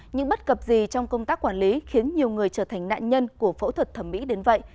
những bất cập gì trong công tác quản lý khiến nhiều người trở thành nạn nhân của phẫu thuật thẩm mỹ đến vậy